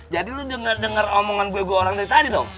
jadi lu denger denger omongan gue gue orang tadi dong